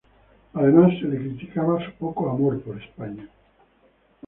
Además, se le criticaba su poco amor por España.